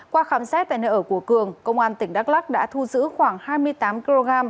qua khám xét tại nơi ở của cường công an tỉnh đắk lắc đã thu giữ khoảng hai mươi tám kg